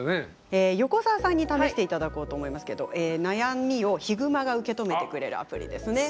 横澤さんに試していただこうと思いますけど悩みをひぐまが受け止めてくれるアプリですね。